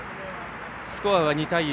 スコアは２対１。